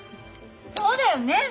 そうだよね！